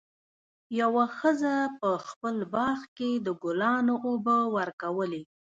یوه ښځه په خپل باغ کې د ګلانو اوبه ورکولې.